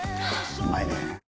うまいねぇ。